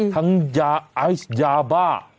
ทั้งยาไอศกรณ์ยาบ้า